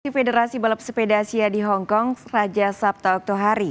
federasi balap sepeda asia di hongkong raja sabta oktohari